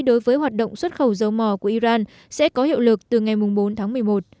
đối với hoạt động xuất khẩu dầu mò của iran sẽ có hiệu lực từ ngày bốn tháng một mươi một